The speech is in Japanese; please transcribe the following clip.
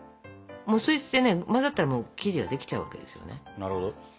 そうしてね混ざったら生地できちゃうわけですよね。